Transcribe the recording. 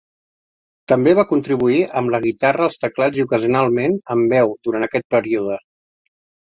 També va contribuir amb la guitarra, els teclats i, ocasionalment, amb veu durant aquest període.